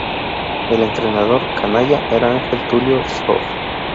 El entrenador "canalla" era Ángel Tulio Zof.